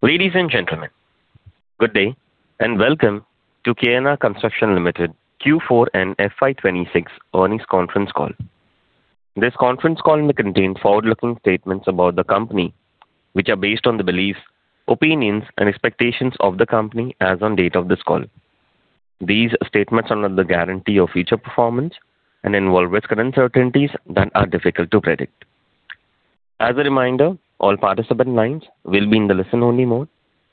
Ladies and gentlemen, good day and welcome to KNR Constructions Limited Q4 and FY 2026 earnings conference call. This conference call may contain forward-looking statements about the company, which are based on the beliefs, opinions, and expectations of the company as on date of this call. These statements are not the guarantee of future performance and involve risks and uncertainties that are difficult to predict. As a reminder, all participant lines will be in the listen-only mode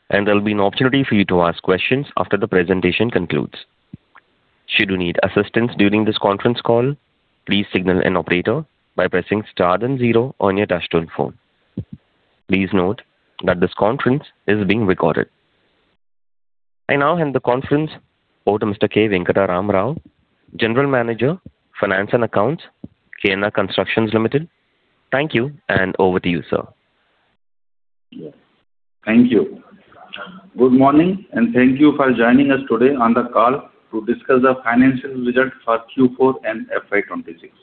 and there will be an opportunity for you to ask questions after the presentation concludes. Should you need assistance during this conference call, please signal an operator by pressing star and zero on your touch-tone phone. Please note that this conference is being recorded. I now hand the conference over to Mr. K. Venkata Ram Rao, General Manager, Finance and Accounts, KNR Constructions Limited. Thank you. Over to you, sir. Thank you. Good morning, thank you for joining us today on the call to discuss the financial results for Q4 and FY 2026.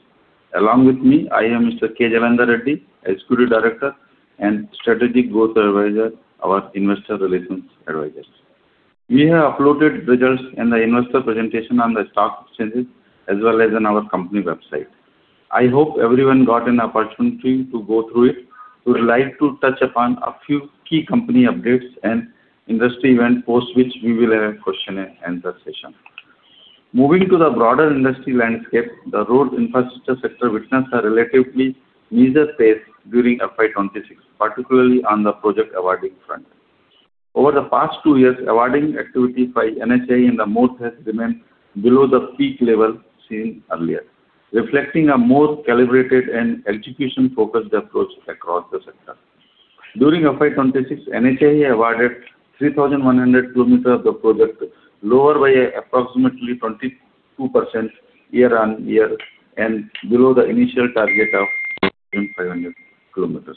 Along with me, I am Mr. K. Jalandhar Reddy, Executive Director and Strategic Growth Advisors, our investor relations advisors. We have uploaded results in the investor presentation on the stock exchanges as well as on our company website. I hope everyone got an opportunity to go through it. We would like to touch upon a few key company updates and industry event posts, which we will have a question-and-answer session. Moving to the broader industry landscape, the road infrastructure sector witnessed a relatively measured pace during FY 2026, particularly on the project awarding front. Over the past two years, awarding activity by NHAI and MoRTH has remained below the peak level seen earlier, reflecting a more calibrated and execution-focused approach across the sector. During FY 2026, NHAI awarded 3,100 km of the project, lower by approximately 22% year-on-year and below the initial target of 500 km.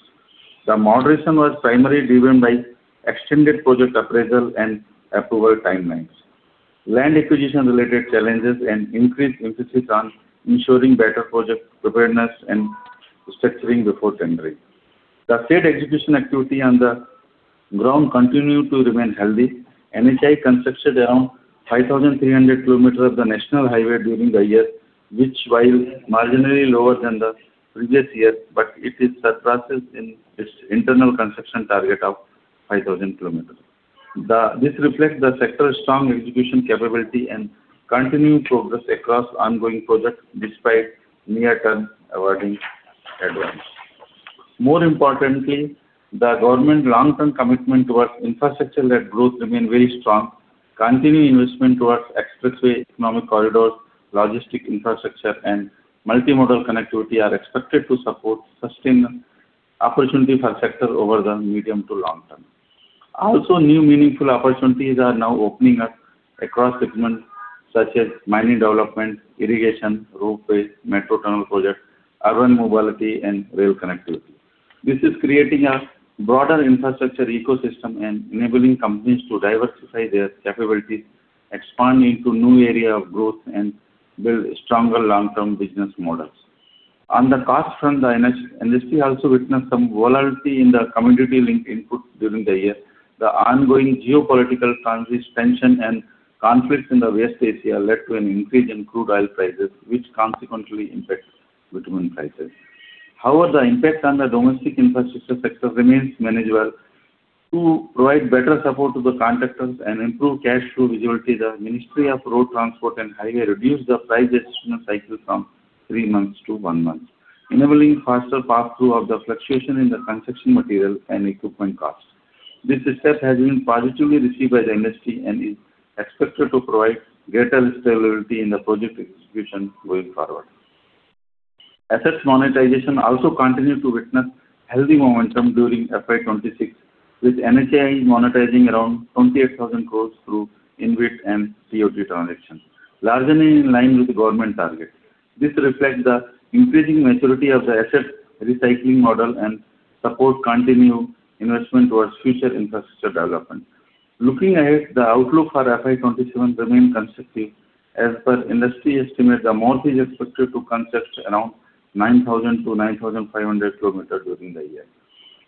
The moderation was primarily driven by extended project appraisal and approval timelines, land acquisition-related challenges and increased emphasis on ensuring better project preparedness and structuring before tendering. The state execution activity on the ground continued to remain healthy. NHAI constructed around 5,300 kilometers of the national highway during the year, which while marginally lower than the previous year, but it surpasses its internal construction target of 5,000 kilometers. This reflects the sector's strong execution capability and continuing progress across ongoing projects despite near-term awarding advance. More importantly, the government long-term commitment towards infrastructure-led growth remain very strong. Continued investment towards expressway economic corridors, logistic infrastructure, and multimodal connectivity are expected to support sustained opportunity for sector over the medium to long term. Also, new meaningful opportunities are now opening up across segments such as mining development, irrigation, roadways, metro tunnel projects, urban mobility, and rail connectivity. This is creating a broader infrastructure ecosystem and enabling companies to diversify their capabilities, expand into new area of growth, and build stronger long-term business models. On the cost front, the industry also witnessed some volatility in the commodity link input during the year. The ongoing geopolitical transition and conflicts in the West Asia led to an increase in crude oil prices, which consequently impacts bitumen prices. However, the impact on the domestic infrastructure sector remains manageable. To provide better support to the contractors and improve cash flow visibility, the Ministry of Road Transport and Highways reduced the price adjustment cycle from three months to one month, enabling faster pass-through of the fluctuation in the construction material and equipment costs. This step has been positively received by the industry and is expected to provide greater stability in the project execution going forward. Assets monetization also continued to witness healthy momentum during FY 2026, with NHAI monetizing around 28,000 crore through InvIT and TOT transactions, largely in line with the government target. This reflects the increasing maturity of the asset recycling model and support continued investment towards future infrastructure development. Looking ahead, the outlook for FY 2027 remains constructive. As per industry estimate, MoRTH is expected to construct around 9,000 to 9,500 kilometers during the year.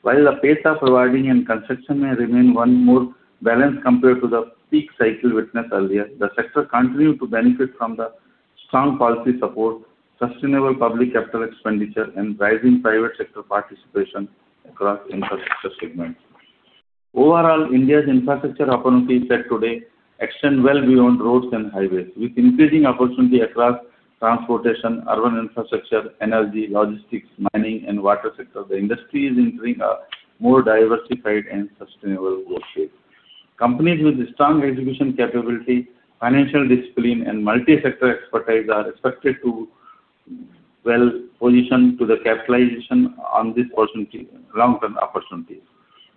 The pace of providing and construction may remain well more balanced compared to the peak cycle witnessed earlier, the sector continued to benefit from the strong policy support, sustainable public capital expenditure, and rising private sector participation across infrastructure segments. Overall, India's infrastructure opportunities set today extend well beyond roads and highways. With increasing opportunity across transportation, urban infrastructure, energy, logistics, mining and water sector, the industry is entering a more diversified and sustainable workspace. Companies with strong execution capability, financial discipline, and multi-sector expertise are expected to well position to the capitalization on this long-term opportunities.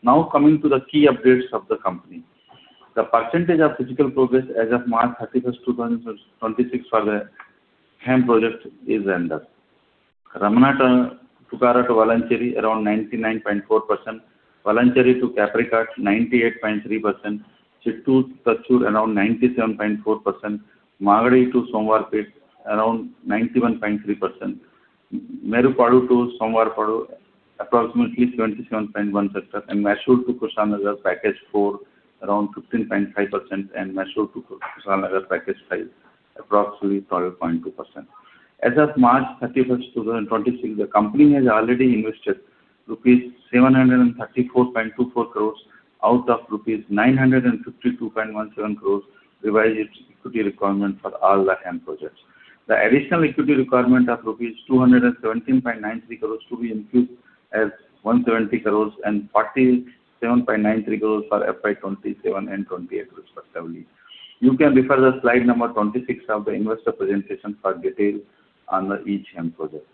Now, coming to the key updates of the company. The percentage of physical progress as of March 31st, 2026 for the same project is as under. Ramanattukara to Valanchery, around 99.4%. Valanchery to Kaprikkad, 98.3%. Chittoor to Thatchur, around 97.4%. Magadi to Somwarpet, around 91.3%. Marripudi to Somvarappadu approximately 77.1% and Mysore to Kushalnagar package four around 15.5% and Mysore to Kushalnagar package five approximately 12.2%. As of March 31st, 2026, the company has already invested rupees 734.24 crores out of rupees 952.17 crores, revised its equity requirement for all the HAM projects. The additional equity requirement of rupees 217.93 crores to be infused as 170 crores and 47.93 crores for FY 2027 and 2028 respectively. You can refer to slide number 26 of the investor presentation for details on each HAM project.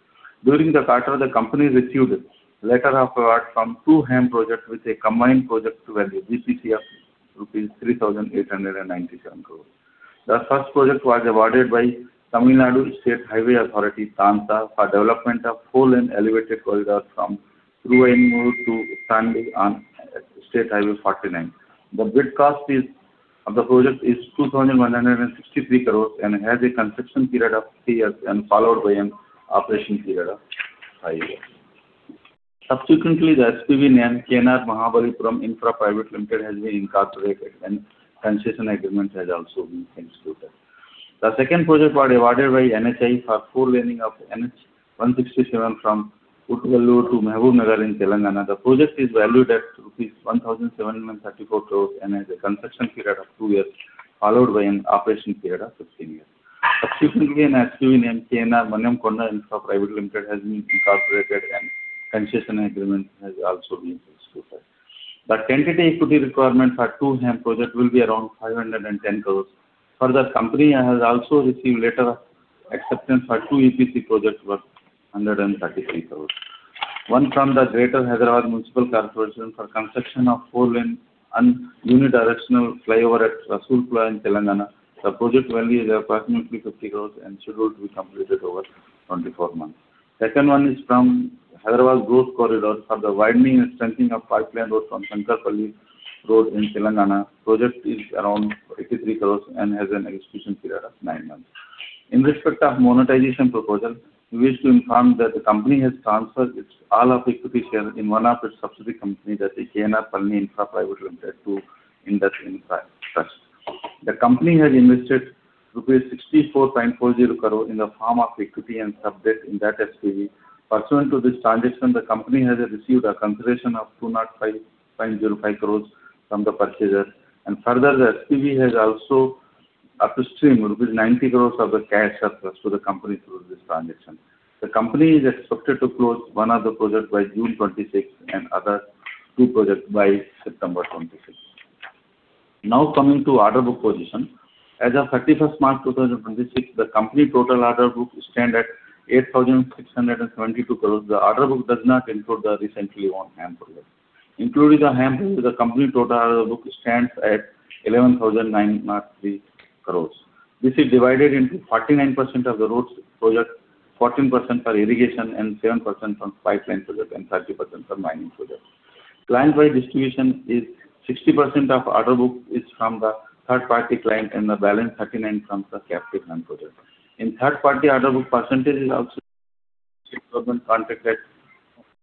During the quarter, the company received letter of award from two HAM projects with a combined project value, GPV of INR 3,897 crores. The first project was awarded by Tamil Nadu State Highways Authority, TANSHA, for development of four-lane elevated corridor from Troimel to Sandi on State Highway 49. The bid cost of the project is 2,163 crores and has a construction period of three years and followed by an operation period of five years. Subsequently, the SPV name KNR Mahabalipuram Infra Private Limited has been incorporated, and concession agreement has also been executed. The second project was awarded by NHAI for four-laning of NH 167 from [Utturallur] to Mahabubnagar in Telangana. The project is valued at rupees 1,734 crores and has a construction period of two years followed by an operation period of 15 years. Subsequently, an SPV named KNR Manyamkonda Infra Private Limited has been incorporated, and concession agreement has also been executed. The tentative equity requirement for two HAM projects will be around 510 crores. Further, company has also received letter of acceptance for two EPC projects worth 133 crores. One from the Greater Hyderabad Municipal Corporation for construction of four lane unidirectional flyover at Rasoolpura in Telangana. The project value is approximately 50 crores and should be completed over 24 months. Second one is from Hyderabad Growth Corridor for the widening and strengthening of five lane road from Shankarpally Road in Telangana. Project is around 83 crore and has an execution period of nine months. In respect of monetization proposal, we wish to inform that the company has transferred its all of equity share in one of its subsidiary company that is KNR Palani Infra Private Limited to Indus Infrastructure. The company has invested rupees 64.40 crore in the form of equity and subject in that SPV. Pursuant to this transaction, the company has received a consideration of 205.05 crore from the purchaser. Further, the SPV has also upstreamed rupees 90 crore of the cash surplus to the company through this transaction. The company is expected to close one other project by June 2026 and other two projects by September 2026. Now coming to order book position. As of 31st March 2026, the company total order book stand at 8,622 crore. The order book does not include the recently won HAM projects. Including the HAM projects, the company total order book stands at 11,903 crore. This is divided into 49% of the roads projects, 14% for irrigation, and 7% from pipeline projects, and 30% from mining projects. Client-wise distribution is 60% of order book is from the third-party client, and the balance 39% from the captive projects. In third party order book percentage is also government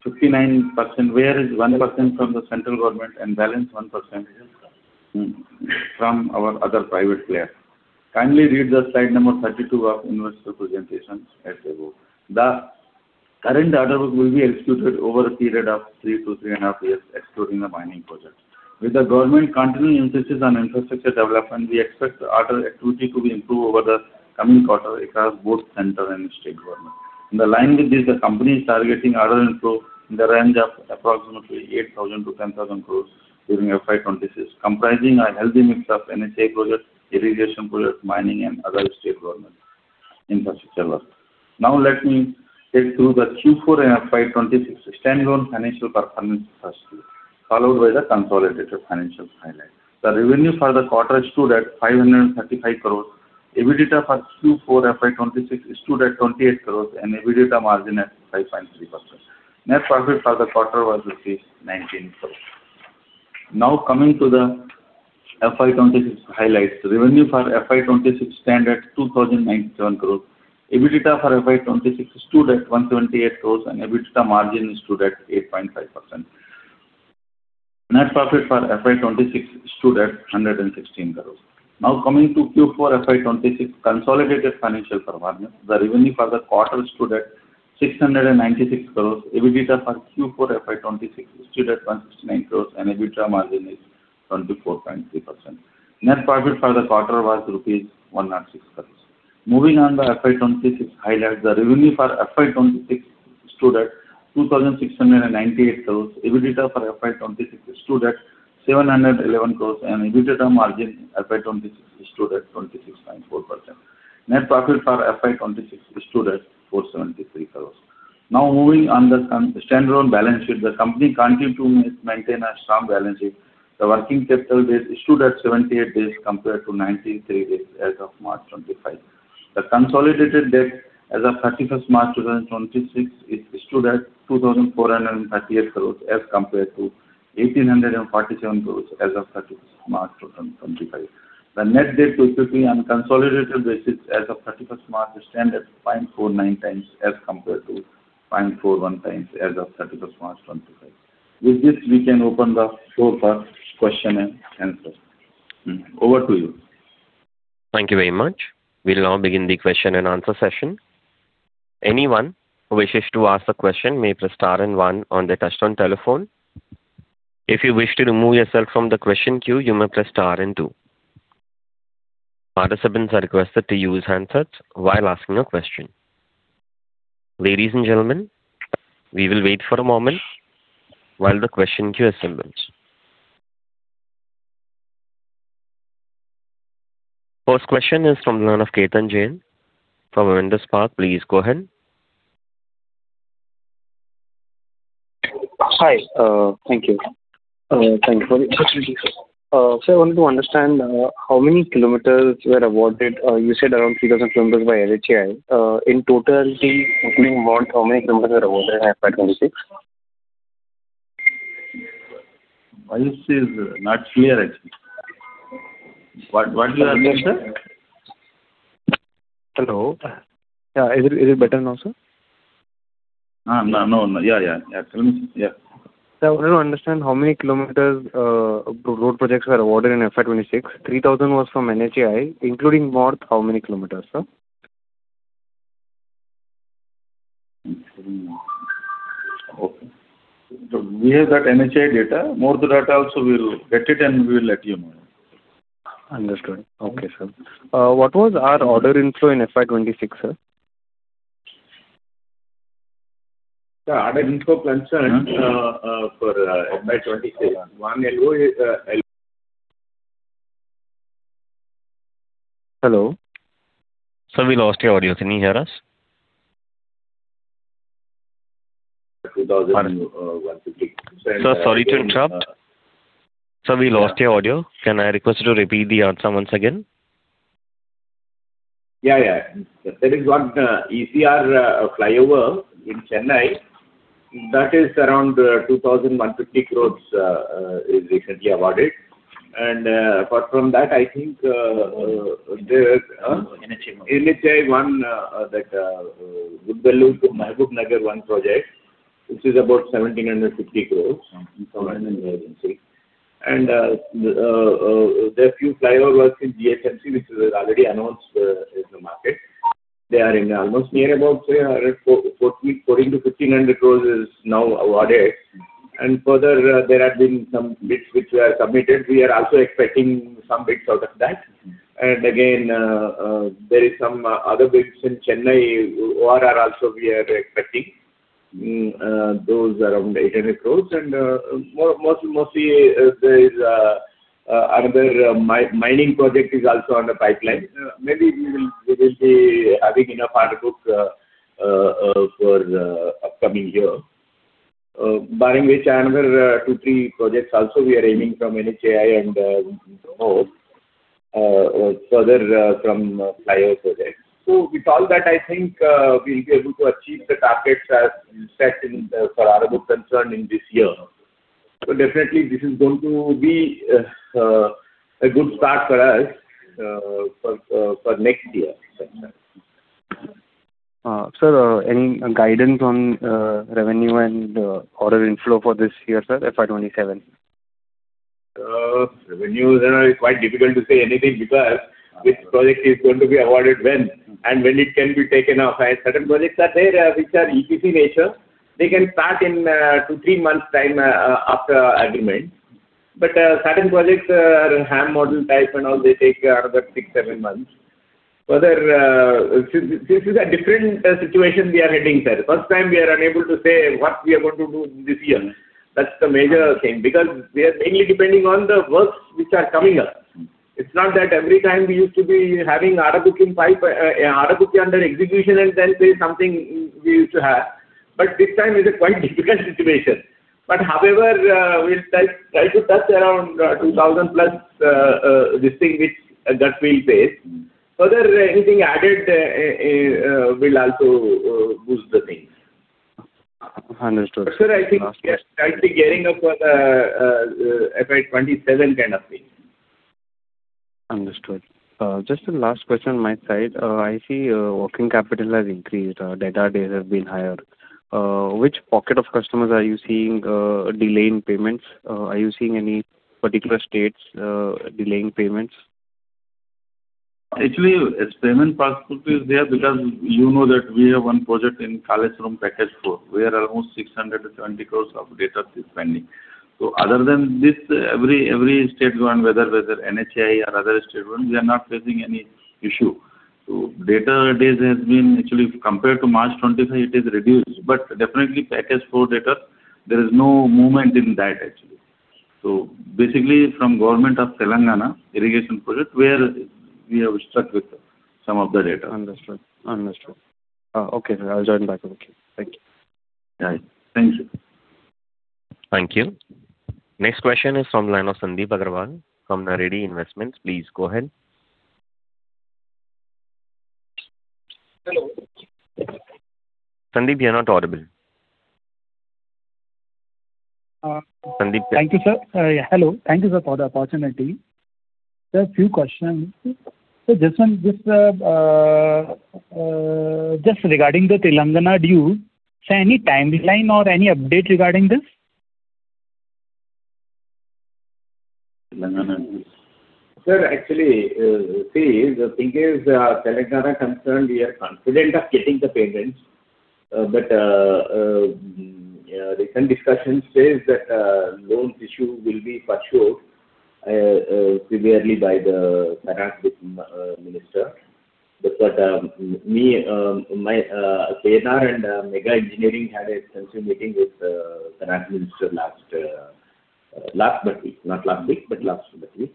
contracted 59%, whereas 1% from the central government and balance 1% is from our other private players. Kindly read the slide number 32 of investor presentations as we go. The current order book will be executed over a period of three to three and a half years, excluding the mining projects. With the government continuing emphasis on infrastructure development, we expect order activity to be improved over the coming quarter across both central and state government. In line with this, the company is targeting order inflow in the range of approximately 8,000 crore to 10,000 crore during FY 2026, comprising a healthy mix of NHAI projects, irrigation projects, mining, and other state government infrastructure work. Let me take through the Q4 FY 2026 standalone financial performance first, followed by the consolidated financial highlights. The revenue for the quarter stood at 535 crore. EBITDA for Q4 FY 2026 stood at 28 crore, and EBITDA margin at 5.3%. Net profit for the quarter was 19 crore. Coming to the FY 2026 highlights. Revenue for FY 2026 stand at 2,097 crore. EBITDA for FY 2026 stood at 178 crore, and EBITDA margin stood at 8.5%. Net profit for FY 2026 stood at 116 crore. Now coming to Q4 FY 2026 consolidated financial performance. The revenue for the quarter stood at 696 crores. EBITDA for Q4 FY 2026 stood at 169 crores, and EBITDA margin is 24.3%. Net profit for the quarter was rupees 106 crores. Moving on the FY 2026 highlights. The revenue for FY 2026 stood at INR 2,698 crores. EBITDA for FY 2026 stood at 711 crores, and EBITDA margin FY 2026 stood at 26.4%. Net profit for FY 2026 stood at 473 crores. Now moving on the standalone balance sheet. The company continued to maintain a strong balance sheet. The working capital days stood at 78 days compared to 93 days as of March 2025. The consolidated debt as of 31st March 2026, it stood at 2,438 crores as compared to 1,847 crores as of 31st March 2025. The net debt to EBITDA on consolidated basis as of 31st March stand at 0.49x as compared to 0.41x as of 31st March 2025. With this, we can open the floor for question and answer. Over to you. Thank you very much. We'll now begin the question-and-answer session. Anyone who wishes to ask a question may press star and one on your touch-tone telephone. If you wish to remove yourself from the question queue, you may press star and two. Our investors have requested to use handset while asking a question. First question is from the line of Ketan Jain from Avendus Spark. Please go ahead. Hi. Thank you. Thank you for the opportunity, sir. Sir, I wanted to understand how many kilometers were awarded. You said around 3,000 km by NHAI. In total, including MoRTH, how many kilometers were awarded in FY 2026? Voice is not clear actually. What did you ask me, sir? Hello? Yeah, is it better now, sir? No. Yeah. Tell me. Yeah. Sir, I wanted to understand how many kilometers of road projects were awarded in FY 2026. 3,000 km was from NHAI. Including MoRTH, how many kilometers, sir? Okay. We have that NHAI data. More the data also, we'll get it and we will let you know. Understood. Okay, sir. What was our order inflow in FY 2026, sir? The order inflow concerned for FY 2026, one LOA. Hello? Sir, we lost your audio. Can you hear us? 2,150. Sir, sorry to interrupt. Sir, we lost your audio. Can I request you to repeat the answer once again? Yeah. There is one ECR flyover in Chennai, that is around 2,150 crores, is recently awarded. NHAI one. NHAI one, that Gadwal to Mahabubnagar one project, which is about 1,750 crore from NHAI agency. There are few flyover works in GHMC, which is already announced in the market. They are in almost near about 1,400 crore-1,500 crore is now awarded. Further, there have been some bids which were submitted. We are also expecting some bids out of that. Again, there is some other bids in Chennai ORR also we are expecting. Those around 800 crore. Mostly, there is another mining project is also on the pipeline. Maybe we will be having enough order book for upcoming year. Barring which another two, three projects also we are aiming from NHAI and MoRTH, further from flyover projects. With all that, I think we'll be able to achieve the targets as we set in for order book concerned in this year. Definitely, this is going to be a good start for us for next year. Sir, any guidance on revenue and order inflow for this year, sir, FY 2027? Revenue is quite difficult to say anything because which project is going to be awarded when, and when it can be taken up. Certain projects are there which are EPC nature. They can start in two, three months' time after agreement. Certain projects are HAM model type and all, they take another six, seven months. Further, this is a different situation we are heading, sir. First time we are unable to say what we are going to do this year. That's the major thing, because we are mainly depending on the works which are coming up. It's not that every time we used to be having order book under execution and then say something we used to have. This time is a quite difficult situation. However, we'll try to touch around 2,000+, this thing which that we'll say. Further, anything added will also boost the thing. Understood. Sir, I think we are trying to be gearing up for the FY 2027 kind of thing. Understood. Just a last question on my side. I see working capital has increased, debtor days have been higher. Which pocket of customers are you seeing delaying payments? Are you seeing any particular states delaying payments? Actually, payment passport is there because you know that we have one project in [Talcher room] package four, where almost 670 crore of debtor is pending. Other than this, every state one, whether NHAI or other state one, we are not facing any issue. Debtor days has been actually, compared to March 2025, it is reduced. Definitely package four debtor, there is no movement in that actually. Basically, from government of Telangana irrigation project, where we have struck with some of the debtor. Understood. Okay, sir. I'll join back. Okay. Thank you. All right. Thank you. Thank you. Next question is from line of Sandeep Agarwal from Naredi Investments. Please go ahead. Hello. Sandeep, you're not audible. Thank you, sir. Hello. Thank you, sir, for the opportunity. Sir, a few questions. Sir, just regarding the Telangana dues, is there any timeline or any update regarding this? Telangana dues. Sir, actually, see, as far as Telangana is concerned, we are confident of getting the payments. Recent discussions say that loan issue will be pursued severely by the finance minister. KNR and Megha Engineering had a extensive meeting with the finance minister last week. Not last week, but last but week.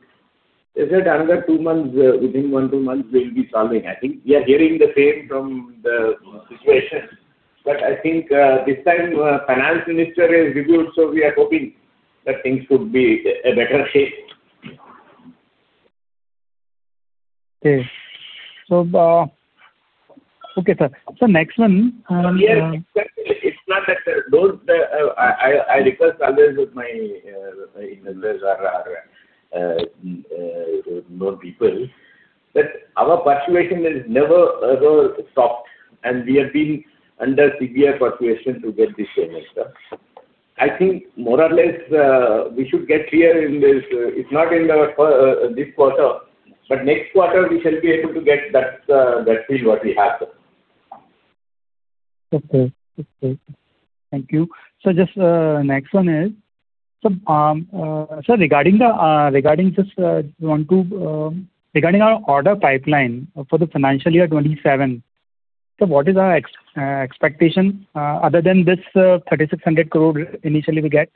They said another two months, within one, two months, they'll be solving, I think. We are hearing the same from the situation. I think this time, finance minister is reviewed, so we are hoping that things could be a better shape. Okay, sir. Sir, next one. Yes. I request others with my investors or known people, that our persuasion is never, ever stopped, and we have been under severe persuasion to get this semester. I think more or less, we should get clear. If not in this quarter, but next quarter, we shall be able to get that thing what we have. Okay. Thank you. Sir, next one is, sir, regarding our order pipeline for the financial year 2027, sir, what is our expectation other than this 3,600 crore initially we get?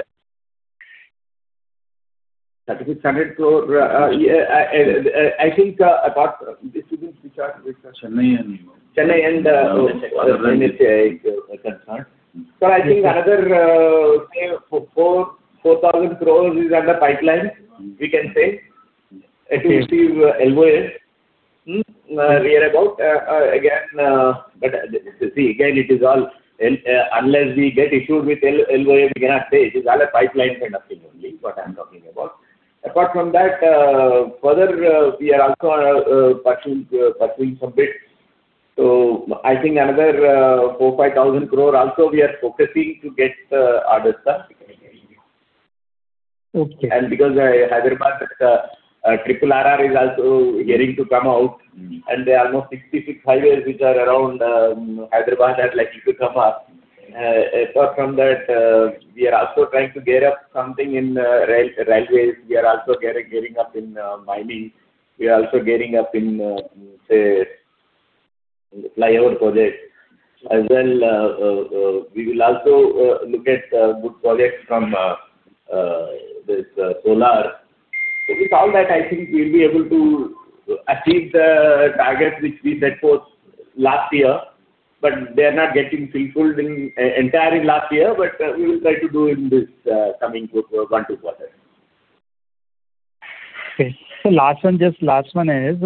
3,600 crore. I think, apart from this, Chennai only. Chennai. Other than that. Sir, I think another 4,000 crores is under pipeline, we can say. It will receive LOAs. It is all unless we get issued with LOA, we cannot say. It is all a pipeline kind of thing only, what I'm talking about. Apart from that, further, we are also pursuing some bids. I think another 4,000 crore-5,000 crore also we are focusing to get orders, sir. Okay. Because Hyderabad RRR is also getting to come out, and there are more six-lane highways which are around Hyderabad are likely to come up. Apart from that, we are also trying to gear up something in railways. We are also gearing up in mining. We are also gearing up in flyover projects. As well, we will also look at good projects from solar. With all that, I think we'll be able to achieve the targets which we set forth last year, but they are not getting fulfilled entirely last year, but we will try to do in this coming one, two quarters. Okay. Sir, last one. Just last one is,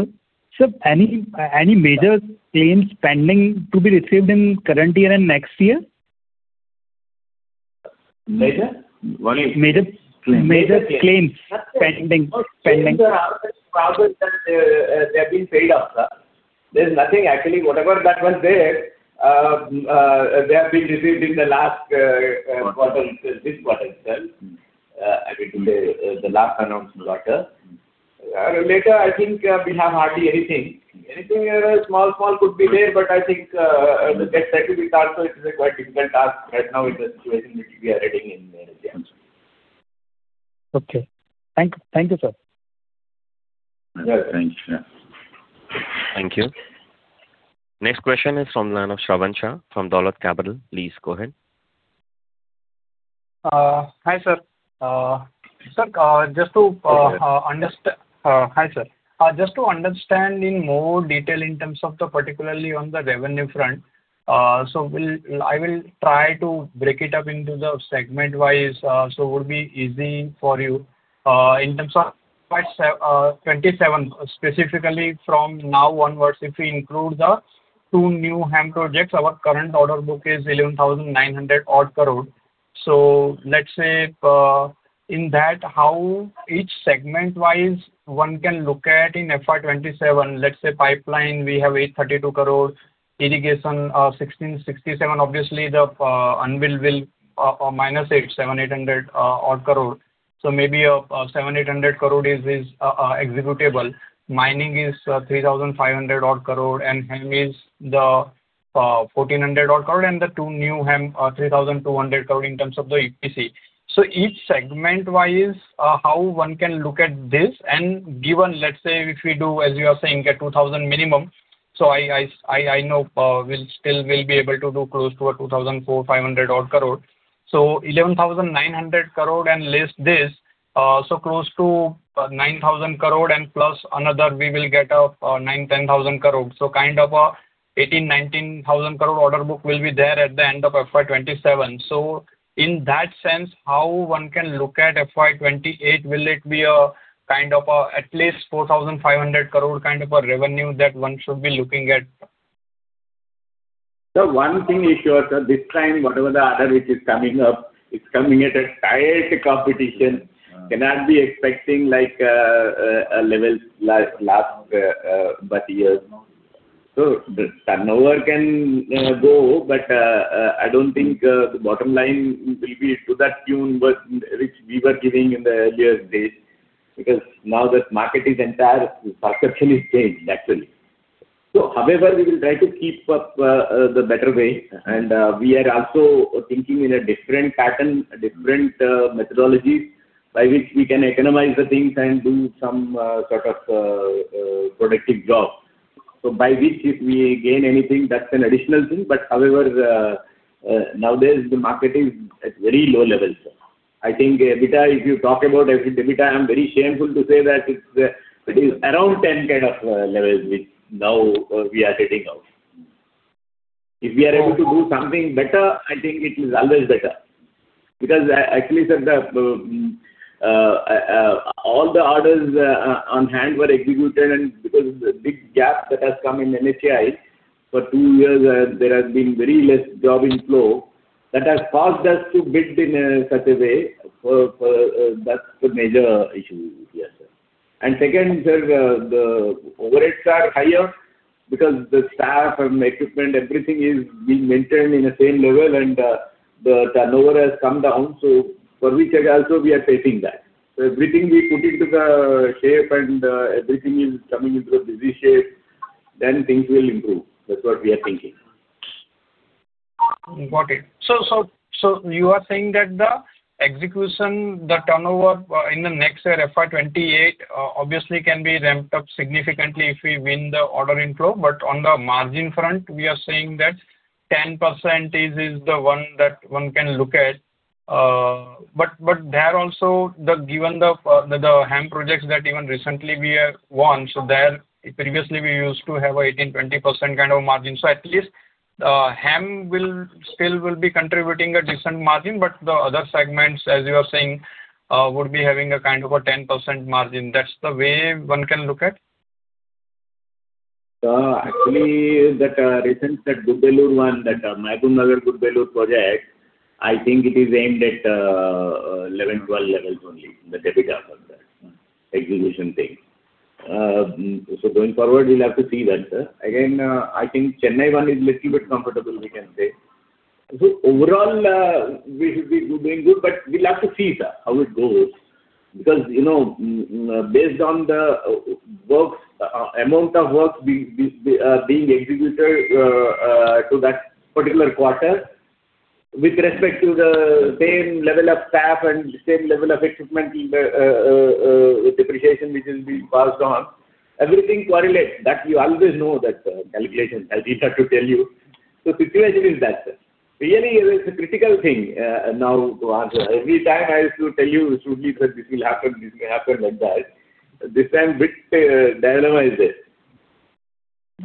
sir, any major claims pending to be received in current year and next year? Major? Major claims pending? No claims are out there. Rather, they're being paid off, sir. There's nothing, actually. Whatever that was there, they have been received in the last quarter itself. I mean to say, the last announced quarter. Later, I think we have hardly anything. Anything small could be there, but I think that's likely to be tasked, so it is a quite difficult task right now with the situation which we are heading in. Okay. Thank you, sir. Thank you, sir. Thank you. Next question is from the line of Shravan Shah from Dolat Capital. Please go ahead. Hi, sir. Sir. Go ahead. Hi, sir. Just to understand in more detail in terms of particularly on the revenue front. I will try to break it up into the segment-wise, so it would be easy for you. In terms of FY 2027, specifically from now onwards, if we include the two new HEM projects, our current order book is 11,900 odd crore. Let's say, in that, how each segment-wise one can look at in FY 2027, let's say pipeline, we have 832 crore; irrigation, 1,667 crore. Obviously, the unbilled will minus 7,800 odd crore. Maybe 7,800 crore is executable. Mining is 3,500 odd crore, and HEMS is the 1,400 odd crore, and the two new HEM are 3,200 crore in terms of the EPC. Each segment-wise, how one can look at this, and given, let's say, if we do, as you are saying, get 2,000 minimum. I know we still will be able to do close to 2,400-2,500 crore odd. 11,900 crore and less this, close to 9,000 crore and plus another, we will get 9,000-10,000 crore. Kind of 18,000 crore-19,000 crore order book will be there at the end of FY 2027. In that sense, how one can look at FY 2028? Will it be at least 4,500 crore kind of a revenue that one should be looking at? Sir, one thing is sure, sir, this time whatever the order which is coming up, it's coming at a tight competition. Cannot be expecting like a level last past years. The turnover can go, but I don't think the bottom line will be to that tune which we were giving in the earlier days, because now this market is entire perception is changed actually. However, we will try to keep up the better way, and we are also thinking in a different pattern, different methodologies by which we can economize the things and do some sort of productive job. By which if we gain anything, that's an additional thing. However, nowadays the market is at very low levels. I think, EBITDA, if you talk about EBITDA, I'm very shameful to say that it's around 10 kind of levels which now we are getting out. If we are able to do something better, I think it is always better. Actually, sir, all the orders on hand were executed, and because of the big gap that has come in NHAI, for two years, there has been very less job inflow. That has caused us to bid in such a way. That's the major issue here, sir. Second, sir, the overheads are higher because the staff and equipment, everything is being maintained in the same level and the turnover has come down. For which also we are facing that. Everything we put into the shape and everything is coming into a busy shape, then things will improve. That's what we are thinking. Got it. You are saying that the execution, the turnover in the next year, FY 2028, obviously can be ramped up significantly if we win the order inflow. On the margin front, we are saying that 10% is the one that one can look at. There also, given the HAM projects that even recently we have won, so there previously we used to have 18%-20% kind of margin. At least HAM still will be contributing a decent margin, but the other segments, as you are saying, would be having a kind of a 10% margin. That's the way one can look at? That recent Gudebellur one, that Mahabubnagar Gudebellur project, I think it is aimed at 11-12 levels only, the debit of that execution thing. Going forward, we'll have to see that, sir. I think Chennai one is little bit comfortable, we can say. Overall, we should be doing good, we'll have to see, sir, how it goes. Based on the amount of work being executed to that particular quarter with respect to the same level of staff and same level of equipment depreciation which will be passed on, everything correlates. That you always know that calculation. I need not to tell you. Situation is that, sir. Really, it is a critical thing now to answer. Every time I used to tell you, "Sudhir sir, this will happen, this may happen like that." This time bit dilemma is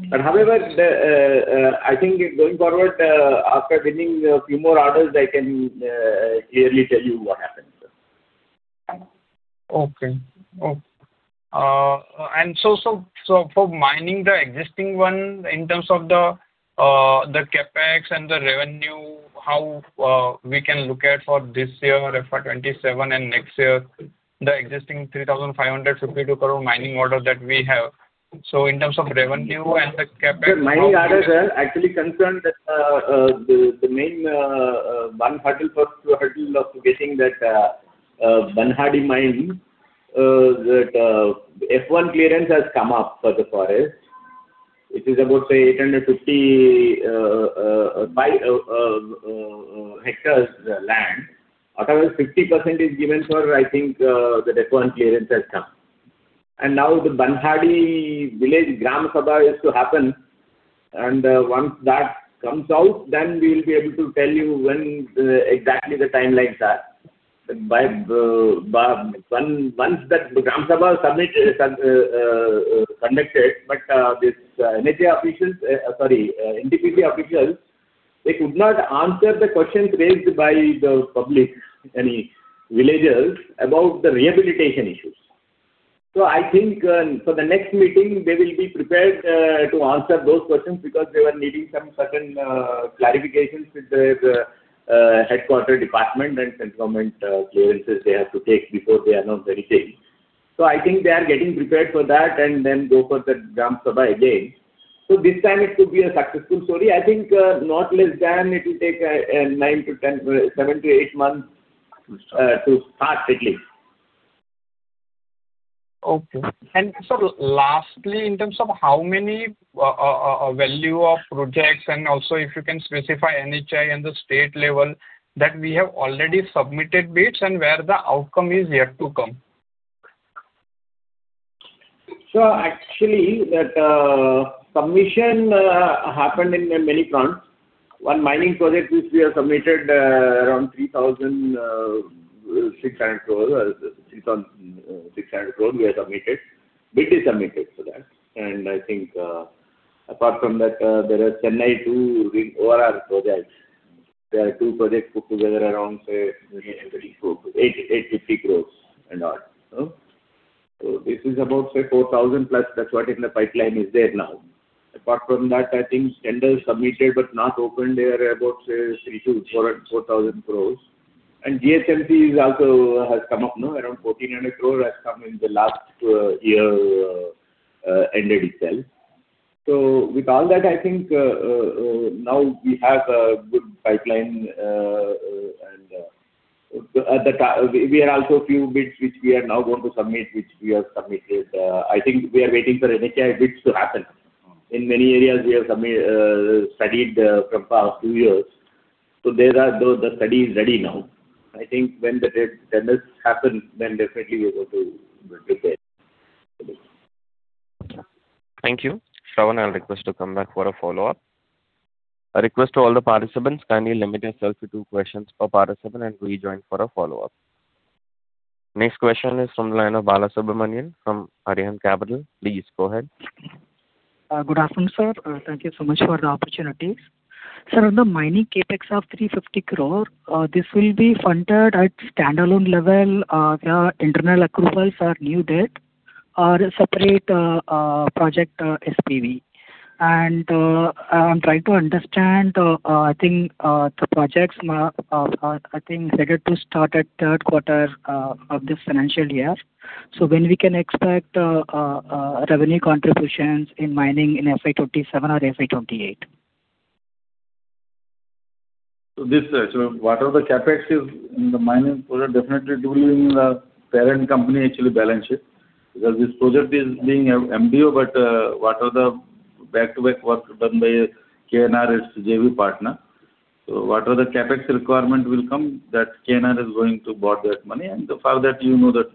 there. However, I think going forward, after winning a few more orders, I can clearly tell you what happens, sir. Okay. For mining the existing one in terms of the CapEx and the revenue, how we can look at for this year, FY 2027, and next year, the existing 3,552 crore mining order that we have? Sir, mining orders are actually concerned that the main one hurdle, first hurdle of getting that Barwadih mine, that FC-1 clearance has come up for the forest. It is about, say, 850 hectares land. Out of which 50% is given for, I think, the FC-1 clearance has come. Now the Barwadih village Gram Sabha is to happen. Once that comes out, we will be able to tell you when exactly the timelines are. Once that Gram Sabha conducted, this NTPC officials, they could not answer the questions raised by the public, any villagers, about the rehabilitation issues. I think for the next meeting, they will be prepared to answer those questions because they were needing some certain clarifications with their headquarter department and central government clearances they have to take before they announce anything. I think they are getting prepared for that and then go for the Gram Sabha again. This time it could be a successful story. I think not less than it will take seven to eight months to start at least. Okay. Sir, lastly, in terms of how many value of projects and also if you can specify NHAI and the state level that we have already submitted bids and where the outcome is yet to come. Actually, that submission happened in many fronts. One mining project which we have submitted around 3,600 crore we have submitted, bid is submitted for that. I think apart from that, there are Chennai two big RR projects. There are two projects put together around, say, 850 crore and all. This is about, say, 4,000 crore plus that's what in the pipeline is there now. Apart from that, I think tenders submitted but not opened, they are about, say, 3,000 crore-4,000 crore. GHMC also has come up. Around 1,400 crore has come in the last year ended itself. With all that, I think now we have a good pipeline. There are also a few bids which we are now going to submit, which we have submitted. I think we are waiting for NHAI bids to happen. In many areas, we have studied for the past two years, the study is ready now. I think when the bids happen. Thank you. Shravan, I'll request to come back for a follow-up. A request to all the participants, kindly limit yourself to two questions per participant and rejoin for a follow-up. Next question is from the line of Bala Subramanian from Arihant Capital. Please go ahead. Good afternoon, sir. Thank you so much for the opportunity. Sir, on the mining CapEx of 350 crore, this will be funded at standalone level via internal accruals or new debt or a separate project SPV? I'm trying to understand, I think the projects are scheduled to start at third quarter of this financial year. When we can expect revenue contributions in mining in FY 2027 or FY 2028? Whatever the CapEx is in the mining project, definitely it will be in the parent company actual balance sheet, because this project is being MDO, but whatever the back-to-back work done by KNR, its JV partner. Whatever the CapEx requirement will come, KNR is going to borrow that money. For that, you know that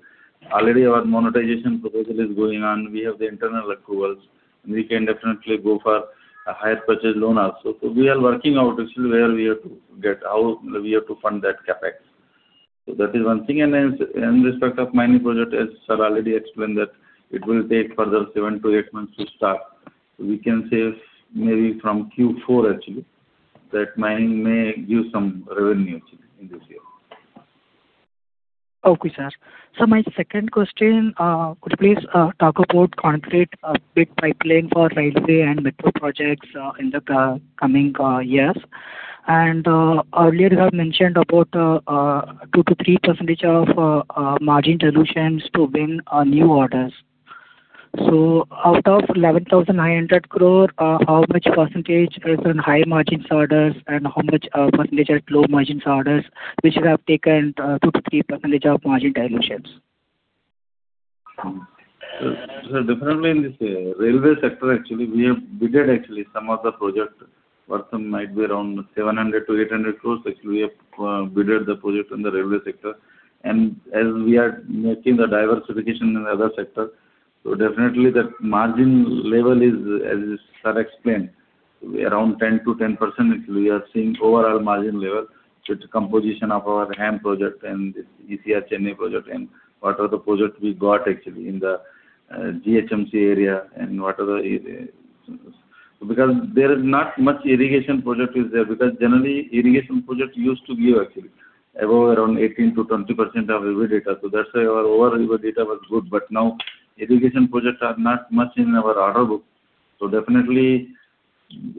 already our monetization proposal is going on. We have the internal approvals, we can definitely go for a higher purchase loan also. We are working out where we have to get, how we have to fund that CapEx. That is one thing. In respect of mining project, as sir already explained that it will take a further 7 to 8 months to start. We can say maybe from Q4 actually, that mining may give some revenue actually in this year. Okay, sir. Sir, my second question, could you please talk about concrete bid pipeline for railway and metro projects in the coming years? Earlier you have mentioned about 2%-3% of margin dilutions to win new orders. Out of 11,900 crore, how much percentage is in high margins orders and how much percentage are low margins orders, which have taken 2% to 3% of margin dilutions? Sir, definitely in this railway sector, actually, we have bidded some of the projects worth might be around 700 crore-800 crore. Actually, we have bidded the project in the railway sector. As we are making the diversification in the other sector, definitely that margin level is, as sir explained, around 10%-10%, actually, we are seeing overall margin level. It's composition of our HAM project and this ECR Chennai project and whatever project we got actually in the GHMC area. There is not much irrigation project is there, generally, irrigation project used to give actually above 18%-20% of EBITDA. That's why our overall EBITDA was good. Now irrigation projects are not much in our order book.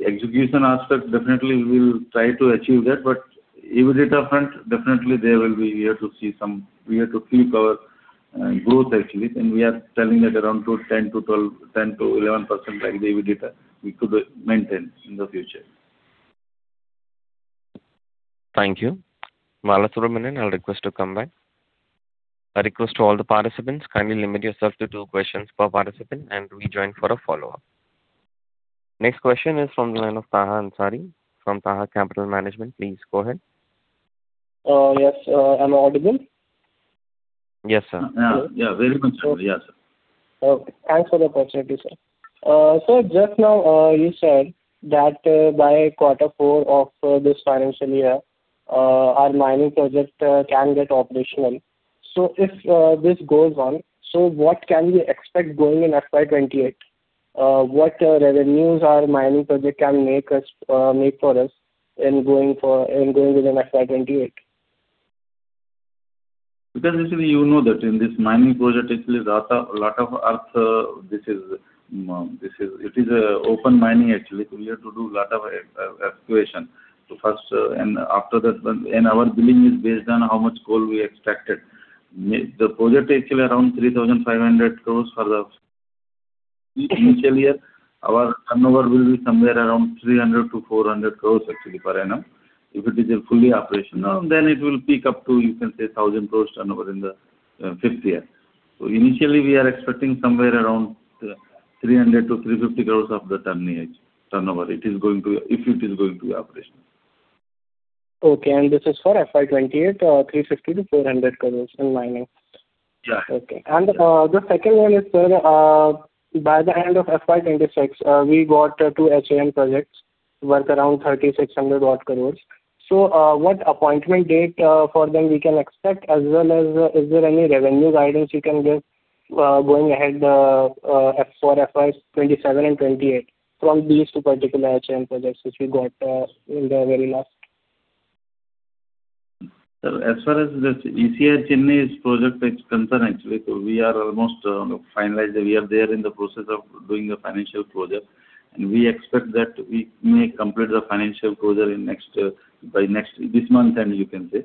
Execution aspect, definitely we'll try to achieve that, but EBITDA front, definitely there we have to keep our growth actually, and we are telling that around 10% to 11% EBITDA, we could maintain in the future. Thank you. Bala Subramanian, I'll request to come back. A request to all the participants, kindly limit yourself to two questions per participant, and rejoin for a follow-up. Next question is from the line of Taha Ansari from Taha Capital Management. Please go ahead. Yes. Am I audible? Yes, sir. Yeah. Very much, sir. Yeah, sir. Okay. Thanks for the opportunity, sir. Sir, just now you said that by quarter four of this financial year, our mining project can get operational. If this goes on, so what can we expect going in FY 2028? What revenues our mining project can make for us in going within FY 2028? Actually you know that in this mining project, actually lot of earth, it is open mining actually, we have to do lot of excavation first. Our billing is based on how much coal we extracted. The project is actually around 3,500 crores for the initial year. Our turnover will be somewhere around 300 crores-400 crores actually per annum. If it is a fully operational, then it will peak up to, you can say, 1,000 crores turnover in the fifth year. Initially, we are expecting somewhere around 300-350 crores of the turnover, if it is going to be operational. Okay. This is for FY 2028, 350 crore-400 crores in mining. Yeah. Okay. The second one is, sir, by the end of FY 2026, we got two HAM projects worth around INR 3,600 odd crore. What appointment date for them we can expect, as well as is there any revenue guidance you can give going ahead for FY 2027 and 2028 from these two particular HAM projects which we got in the very last? Sir, as far as this ECR Chennai's project is concerned, actually, we are almost finalized. We are there in the process of doing a financial closure, and we expect that we may complete the financial closure by this month end, you can say.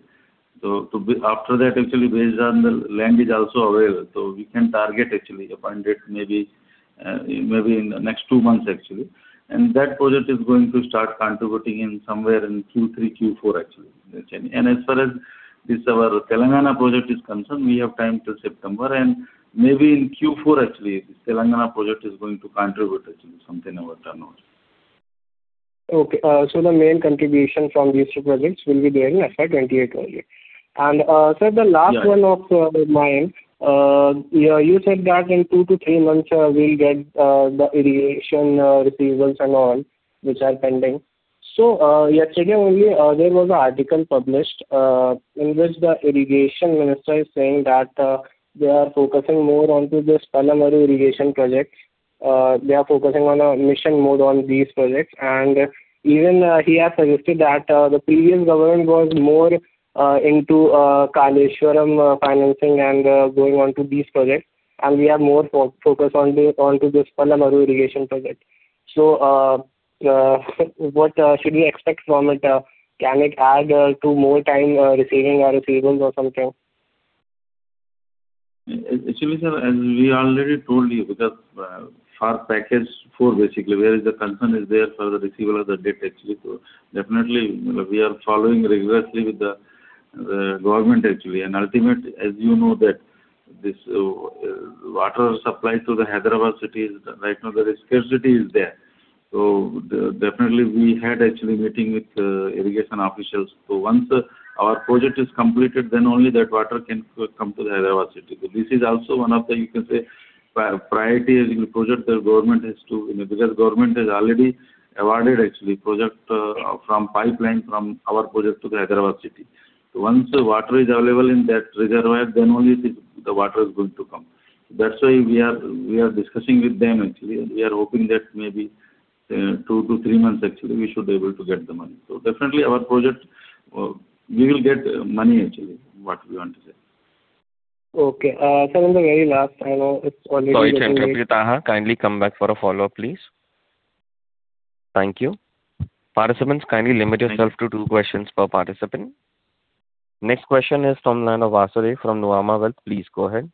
After that, based on the land is also available, we can target actually a fund date, maybe in the next two months actually. That project is going to start contributing in somewhere in Q3, Q4 actually. As far as this our Telangana project is concerned, we have time till September, and maybe in Q4 actually, this Telangana project is going to contribute something, our turnover. Okay. The main contribution from these two projects will be there in FY 2028 only. Sir, the last one of mine. You said that in two to three months, we'll get the irrigation receivables and all, which are pending. Yesterday only, there was an article published, in which the irrigation minister is saying that they are focusing more onto this Palamuru Irrigation Project. They are focusing on a mission mode on these projects. Even he has suggested that the previous government was more into Kaleshwaram financing and going on to these projects, and we are more focused onto this Palamuru Irrigation Project. What should we expect from it? Can it add to more time receiving our receivables or something? Actually, sir, as we already told you, because for package 4 basically, where the concern is there for the receivable of the debt actually. Definitely, we are following rigorously with the government actually. Ultimate, as you know that this water supply to the Hyderabad city, right now the scarcity is there. Definitely we had actually a meeting with irrigation officials. Once our project is completed, then only that water can come to the Hyderabad city. This is also one of the, you can say, priority project the government has too, because government has already awarded actually project from pipeline from our project to the Hyderabad city. Once the water is available in that reservoir, then only the water is going to come. That's why we are discussing with them actually, and we are hoping that maybe two to three months actually, we should be able to get the money. Definitely our project, we will get money actually, what we want to say. Okay. Sir, Sorry, Taha. Kindly come back for a follow-up, please. Thank you. Participants, kindly limit yourself to two questions per participant. Next question is from Nana Vasudev from Nuvama Wealth. Please go ahead.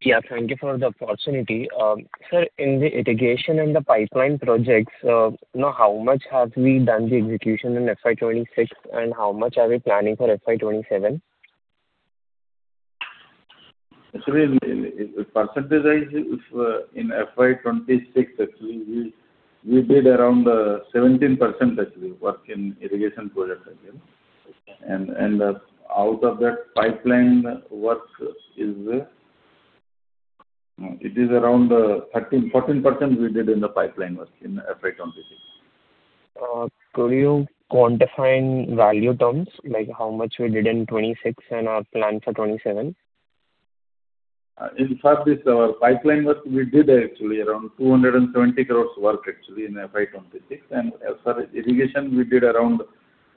Yeah, thank you for the opportunity. Sir, in the irrigation and the pipeline projects, how much have we done the execution in FY 2026, and how much are we planning for FY 2027? Actually, percentage-wise, in FY 2026 actually, we did around 17% actually work in irrigation projects. Okay. Out of that pipeline work, it is around 14% we did in the pipeline work in FY 2026. Could you quantify in value terms, like how much we did in 2026 and our plan for 2027? In fact, this our pipeline work, we did actually around 220 crores work actually in FY 2026. As for irrigation, we did around 340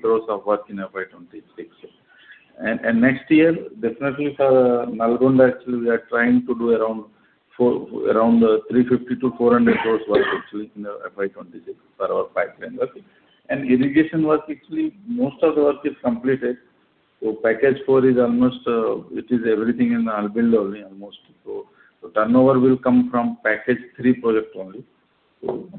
crores of work in FY 2026. Next year, definitely for Nalgonda, actually, we are trying to do around 350 crores-400 crores work actually in FY 2026 for our pipeline work. Irrigation work actually, most of the work is completed. Package four is almost, it is everything in unbilled only almost. Turnover will come from package three project only.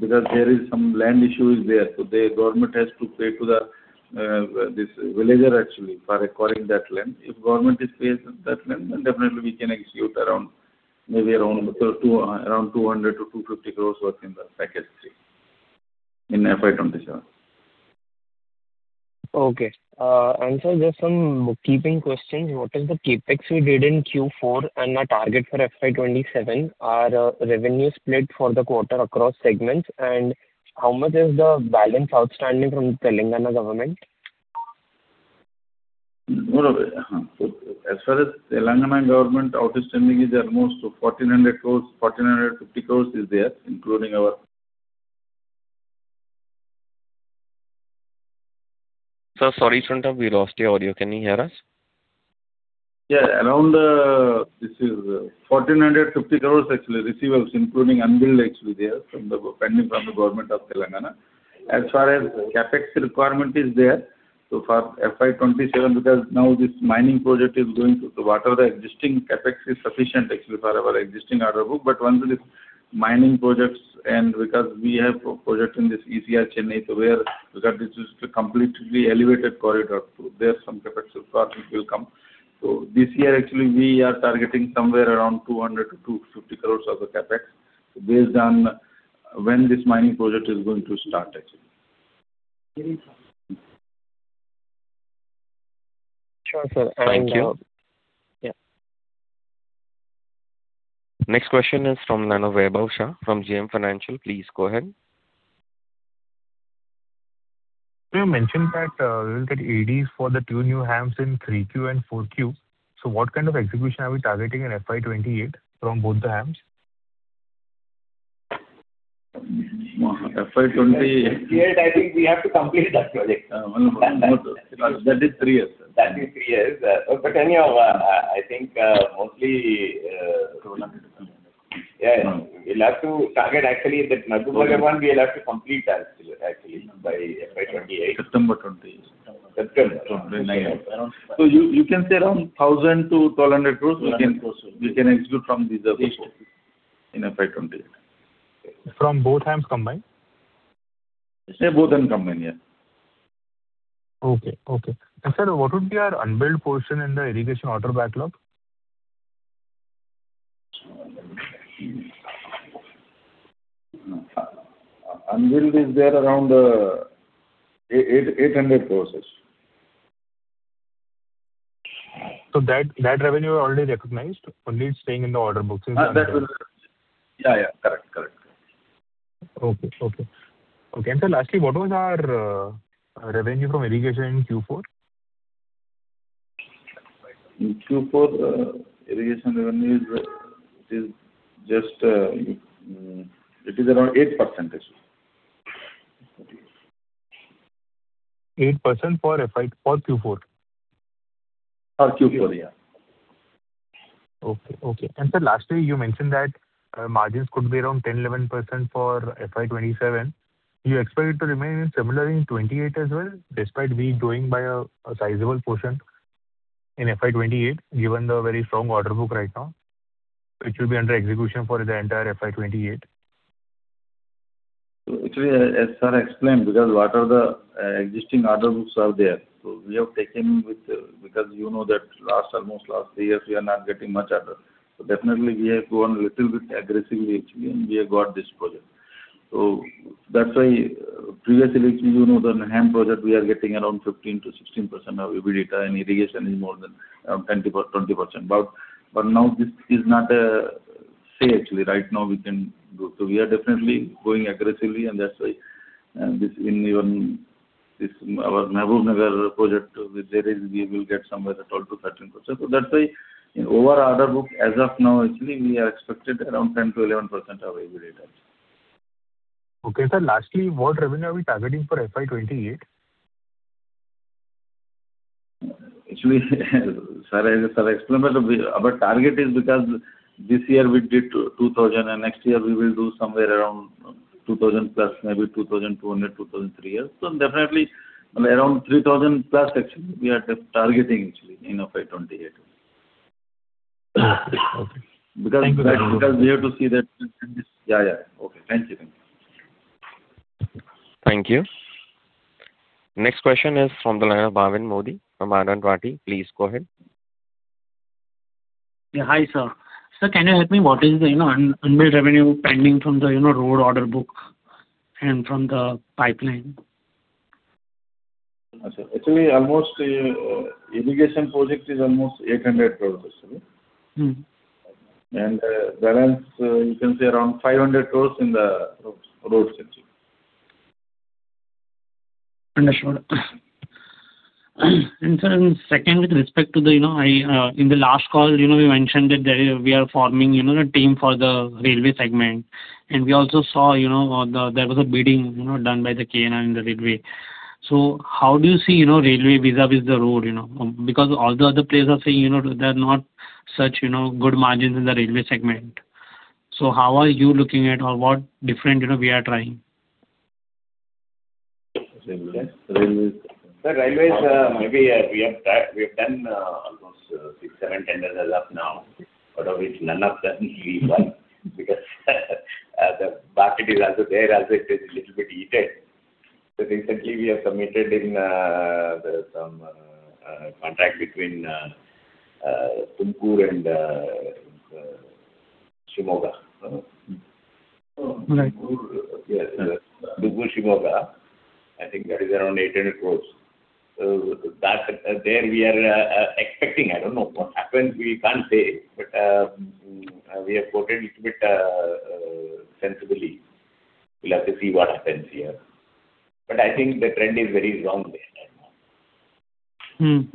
Because there is some land issue is there, the government has to pay to this villager actually for acquiring that land. If government pays that land, then definitely we can execute around maybe 200 crores-250 crores work in the package three in FY 2027. Okay. Sir, just some bookkeeping questions. What is the CapEx we did in Q4 and our target for FY 2027? Our revenue split for the quarter across segments, and how much is the balance outstanding from Telangana government? As far as Telangana government outstanding is almost 1,400 crores, 1,450 crores is there, including our. Sir, sorry to interrupt, we lost your audio. Can you hear us? Yeah. Around, this is 1,450 crores actually receivables, including unbilled actually there pending from the government of Telangana. As far as CapEx requirement is there, for FY 2027, whatever the existing CapEx is sufficient actually for our existing order book. Once this mining projects and because we have a project in this ECR Chennai, where, because this is a completely elevated corridor, there some CapEx requirement will come. This year actually, we are targeting somewhere around 200 crores-250 crores of the CapEx, based on when this mining project is going to start actually. Sure, sir. Thank you. Yeah. Next question is from Vaibhav Shah from JM Financial. Please go ahead. You mentioned that we will get AD for the two new HAMs in 3Q and 4Q. What kind of execution are we targeting in FY 2028 from both the HAMs? FY 2028. 2028, I think we have to complete that project. That is three years. That is three years. anyhow, I think Yeah. We'll have to target actually that Mahabubnagar one, we'll have to complete that actually by FY 2028. September 2028. September. You can say around 1,000 crore-1,200 crore we can execute from these orders in FY 2028. From both HAMs combined? Say both combined, yeah. Okay. Sir, what would be our unbilled portion in the irrigation order backlog? Unbilled is there around INR 800 crores. That revenue already recognized, only it's staying in the order books. Yeah. Correct. Okay. Sir, lastly, what was our revenue from irrigation in Q4? In Q4, irrigation revenue is just around 8%. 8% for Q4? For Q4, yeah. Okay. Sir, lastly, you mentioned that margins could be around 10%-11% for FY 2027. You expect it to remain similar in 2028 as well, despite we going by a sizable portion in FY 2028, given the very strong order book right now, which will be under execution for the entire FY 2028? As sir explained, because what are the existing order books are there. Because you know that almost last three years, we are not getting much orders. Definitely, we have gone a little bit aggressively, actually, and we have got this project. That's why previously, actually, you know the HAM project, we are getting around 15%-16% of EBITDA, and irrigation is more than 20%. Now this is not a say actually, right now we can do. We are definitely going aggressively, and that's why this our Mahabubnagar project, there is we will get somewhere 12%-13%. That's why in overall order book, as of now, actually, we are expecting around 10%-11% of EBITDA. Okay. Sir, lastly, what revenue are we targeting for FY 2028? Actually, as sir explained, our target is because this year we did 2,000, and next year we will do somewhere around 2,000+, maybe 2,200, 2,300. Definitely around 3,000+ actually we are targeting actually in FY 2028. Okay. Thank you very much. We have to see that. Yeah. Okay. Thank you. Thank you. Next question is from the line of Bhavin Modi from Anand Rathi. Please go ahead. Yeah. Hi, sir. Sir, can you help me? What is the unbilled revenue pending from the road order book and from the pipeline? Actually, irrigation project is almost 800 crores rupees. Balance, you can say around 500 crores in the roads actually. Understood. Sir, second, in the last call, we mentioned that we are forming a team for the railway segment. We also saw there was a bidding done by KNR in the railway. How do you see railway vis-a-vis the road? Because all the other players are saying there are not such good margins in the railway segment. How are you looking at, or what different we are trying? Sir, railways, maybe we have done almost six, seven tenders as of now, out of which none of them we won because the market is also there, also it is little bit heated. Recently we have submitted in some contract between Tumkur and Shimoga. Right. Yes. Tumkur-Shimoga. I think that is around 800 crores. There we are expecting. I don't know. What happens, we can't say. We have quoted little bit sensibly. We'll have to see what happens here. I think the trend is very strong there right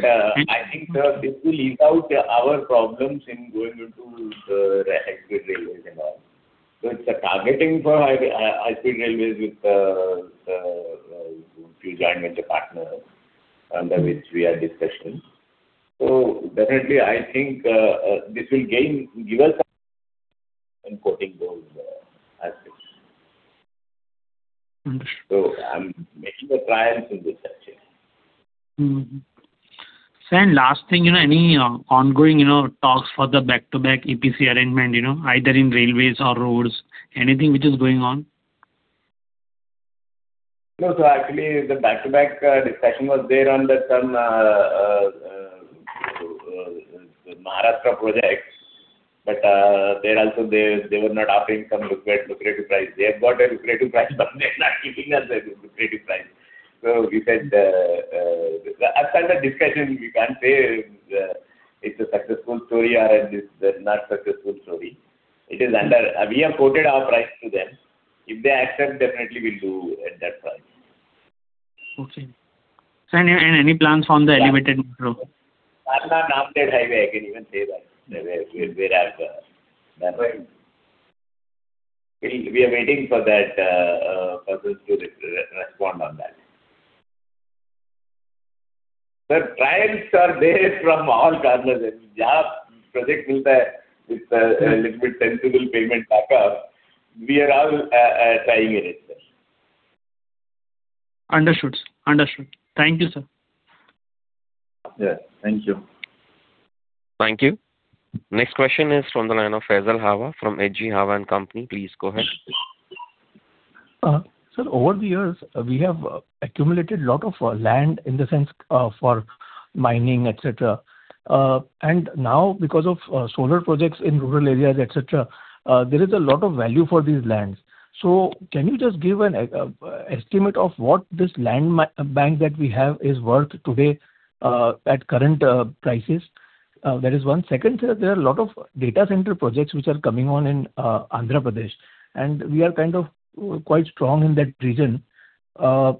now. I think, sir, this will ease out our problems in going into the railways and all. It's a targeting for, I think railways with the joint venture partner under which we are discussing. Definitely, I think this will gain, give us some quoting those aspects. Understood. I'm making a try in this actually. Mm-hmm. Sir, last thing, any ongoing talks for the back-to-back EPC arrangement, either in railways or roads? Anything which is going on? No. Actually, the back-to-back discussion was there under some Maharashtra project. There also, they were not offering some lucrative price. They have got a lucrative price, but they're not giving us a lucrative price. We said As such the discussion, we can't say it's a successful story or it is not successful story. We have quoted our price to them. If they accept, definitely we'll do at that price. Okay. Sir, any plans from the elevated road? That's on Samruddhi Mahamarg, I can even say that, where I've done. Right. We are waiting for that person to respond on that. Sir, trials are there from all corners, and where projects are available with a little bit sensible payment backup, we are all trying it, sir. Understood. Thank you, sir. Yeah. Thank you. Thank you. Next question is from the line of Faisal Hawa from H.G. Hawa and Company. Please go ahead. Sir, over the years, we have accumulated lot of land in the sense for mining, et cetera. Now because of solar projects in rural areas, et cetera, there is a lot of value for these lands. Can you just give an estimate of what this land bank that we have is worth today at current prices? That is one. Second, sir, there are a lot of data center projects which are coming on in Andhra Pradesh, and we are kind of quite strong in that region. Are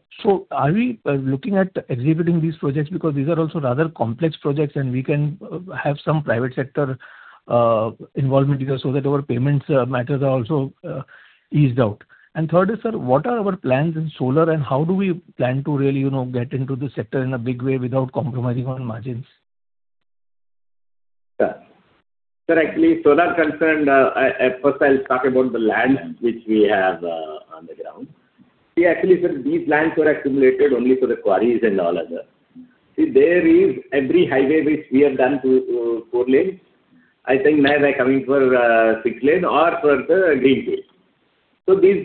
we looking at exhibiting these projects because these are also rather complex projects, and we can have some private sector involvement here so that our payments matters are also eased out. Third is, sir, what are our plans in solar and how do we plan to really get into this sector in a big way without compromising on margins? Sir, actually, solar concerned, first I'll talk about the lands which we have on the ground. Actually, sir, these lands were accumulated only for the quarries and all other. There is every highway which we have done to four-lane. I think now they're coming for six-lane or for the greenfield.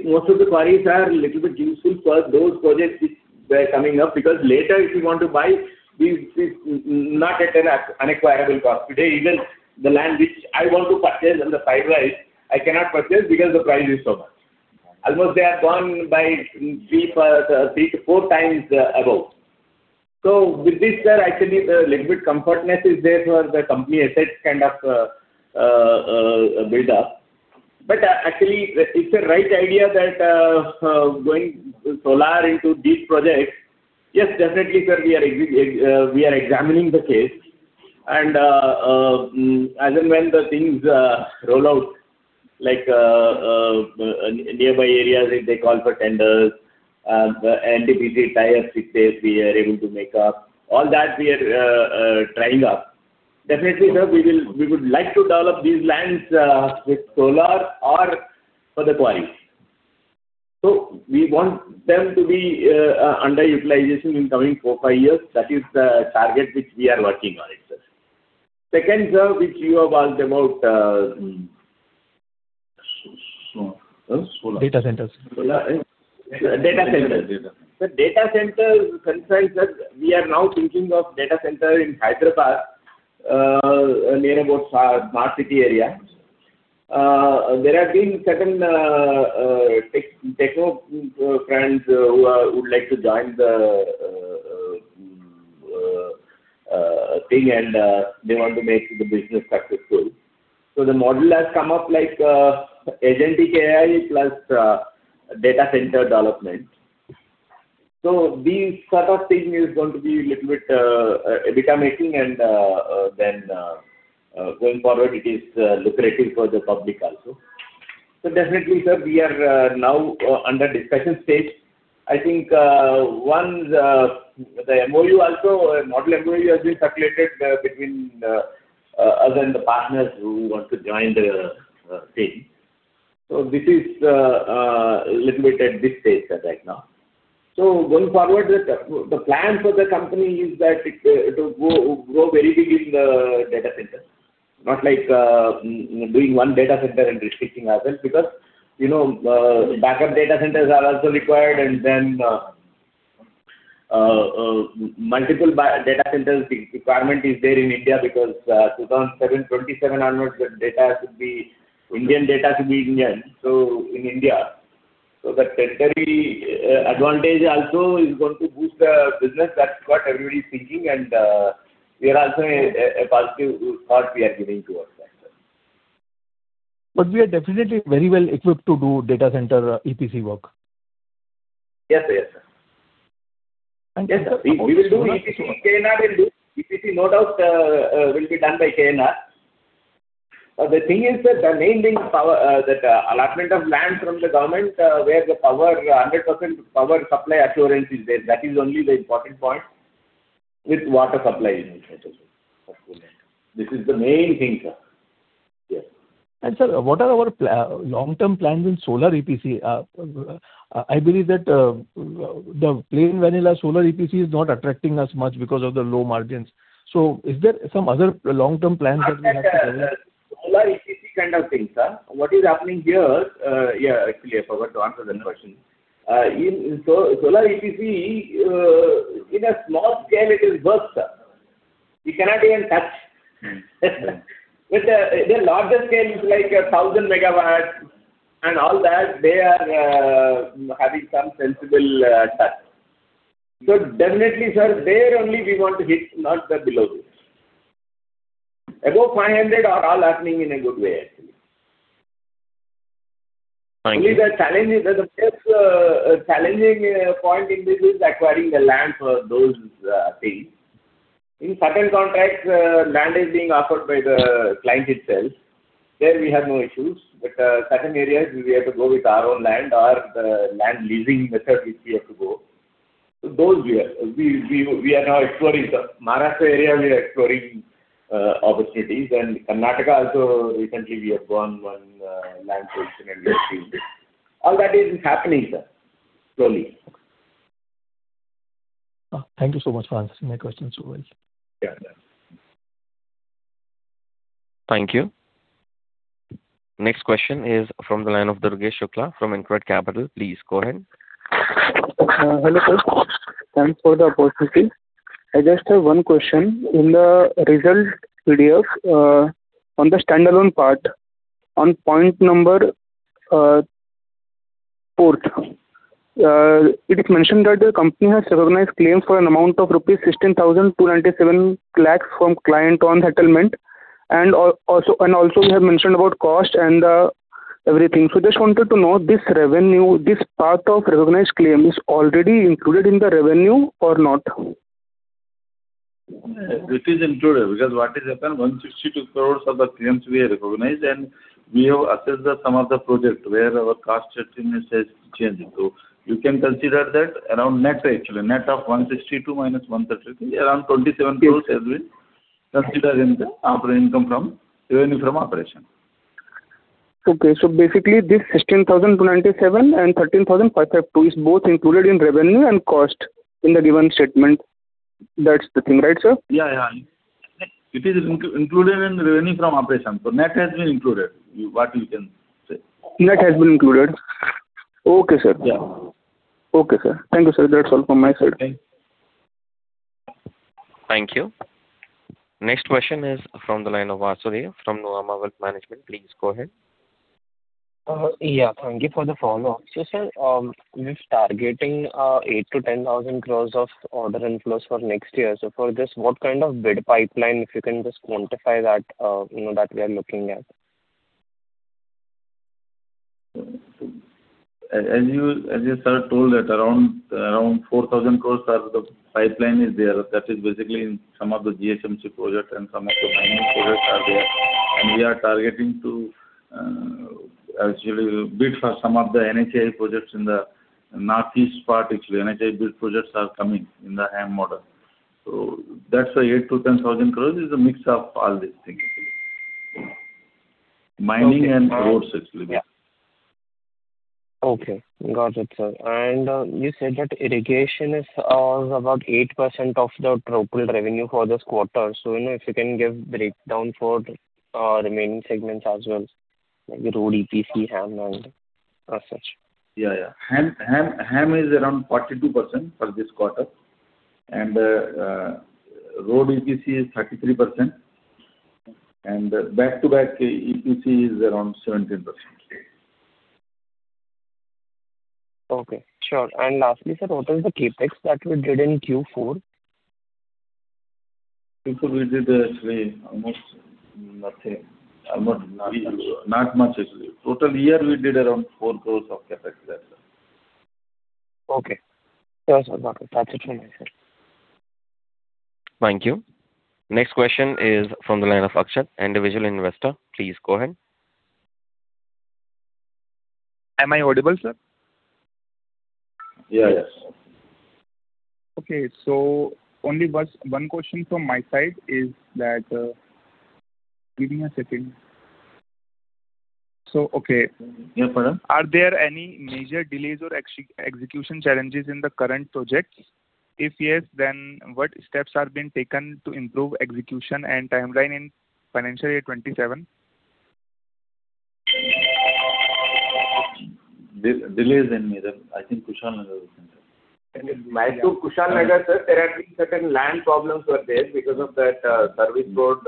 Most of the quarries are little bit useful for those projects which they are coming up, because later if you want to buy, not at an unaffordable cost. Today, even the land which I want to purchase on the side roads, I cannot purchase because the price is so much. Almost they have gone by three to four times above. With this, sir, actually the little bit comfort is there for the company assets kind of buildup. Actually, it's a right idea that going solar into these projects. Yes, definitely, sir, we are examining the case and as and when the things roll out like nearby areas, if they call for tenders, the NTPC tie-ups, which case we are able to make up, all that we are trying out. Definitely, sir, we would like to develop these lands with solar or for the quarries. We want them to be under utilization in coming four, five years. That is the target which we are working on it, sir. Second, sir, which you have asked about solar. Data centers. Data centers. Data centers concerned, we are now thinking of data center in Hyderabad, near about Smart City area. There have been certain techno friends who would like to join the thing, and they want to make the business successful. The model has come up like Agentic AI plus data center development. This sort of thing is going to be little bit profit-making, and then going forward, it is lucrative for the public also. Definitely, sir, we are now under discussion stage. I think one the model MOU has been circulated between us and the partners who want to join the team. This is little bit at this stage, sir, right now. Going forward, the plan for the company is that it will go very big in the data centers. Not like doing one data center and restricting ourselves, because backup data centers are also required, then multiple data centers requirement is there in India because 2027 onwards, Indian data to be Indian, so in India. That territory advantage also is going to boost the business. That's what everybody's thinking, we are also a positive thought we are giving towards that, sir. We are definitely very well equipped to do data center EPC work. Yes, sir. Thank you, sir. Yes, sir. We will do EPC. KNR will do EPC, no doubt will be done by KNR. The thing is, sir, the main thing is that allotment of land from the government where the 100% power supply assurance is there. That is only the important point, with water supply in it also. This is the main thing, sir. Yes. Sir, what are our long-term plans in solar EPC? I believe that the plain vanilla solar EPC is not attracting us much because of the low margins. Is there some other long-term plans that we have to tell? Solar EPC kind of thing, sir. Actually, I forgot to answer the question. In solar EPC, in a small scale, it is worst, sir. We cannot even touch. With the larger scale, like 1,000 MW and all that, they are having some sensible touch. Definitely, sir, there only we want to hit, not the below this. Above 500 are all happening in a good way. Actually, only the challenge is that the first challenging point in this is acquiring the land for those things. In certain contracts, land is being offered by the client itself. There we have no issues. Certain areas we have to go with our own land or the land leasing method which we have to go. Those we are now exploring. The Maharashtra area, we are exploring opportunities, and Karnataka also recently we have gone one land acquisition and rest is it. All that is happening, sir. Slowly. Thank you so much for answering my questions so well. Yeah. Thank you. Next question is from the line of Durgesh Shukla from InCred Capital. Please go ahead. Hello, sir. Thanks for the opportunity. I just have one question. In the results PDF, on the standalone part, on point four, it is mentioned that the company has recognized claims for an amount of rupees 16,207 lakhs from client on settlement. Also, we have mentioned about cost and everything. Just wanted to know this revenue, this part of recognized claim, is already included in the revenue or not? It is included because what has happened, 162 crores of the claims we recognized, and we have assessed some of the projects where our cost certainly has changed. You can consider that around net actually. Net of 162-133, around 27 crores has been considered in the operating income from revenue from operations. Basically this 16,297 and 13,502 is both included in revenue and cost in the given statement. That's the thing, right, sir? Yeah. It is included in revenue from operations. Net has been included, what you can say. Net has been included. Okay, sir. Yeah. Okay, sir. Thank you, sir. That's all from my side. Thank you. Thank you. Next question is from the line of Vasudev from Nuvama Wealth Management. Please go ahead. Yeah. Thank you for the follow-up. Sir, we're targeting 8,000 crore-10,000 crore of order inflows for next year. For this, what kind of bid pipeline, if you can just quantify that we are looking at? As you, sir, told that around 4,000 crore of the pipeline is there. That is basically some of the GHMC projects and some of the mining projects are there, and we are targeting to actually bid for some of the NHAI projects in the northeast part. Actually, NHAI bid projects are coming in the HAM model. That's why 8,000 crore-10,000 crore is a mix of all these things, mining and roads actually. Yeah. Okay. Got it, sir. You said that irrigation is about 8% of the total revenue for this quarter. If you can give breakdown for remaining segments as well, like road EPC, HAM, and as such. Yeah. HAM is around 42% for this quarter, and road EPC is 33%, and back-to-back EPC is around 17%, actually. Okay. Sure. Lastly, sir, what is the CapEx that we did in Q4? Q4 we did actually almost nothing. Almost nothing. Not much actually. Total year we did around 4 crores of CapEx. Okay. Sure, sir. Got it. That's it from my side. Thank you. Next question is from the line of Akshat, individual investor. Please go ahead. Am I audible, sir? Yes. Okay. Only one question from my side is that. Give me a second. Okay. Yeah. Are there any major delays or execution challenges in the current projects? If yes, what steps are being taken to improve execution and timeline in financial year 2027? Delays in major, I think Kushalnagar. Magadi, Kushalnagar, sir, there are certain land problems were there because of that service road